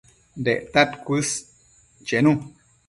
Dectad cuës chenu